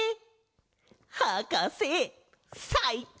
はかせさいこう！